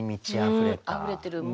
うんあふれてる。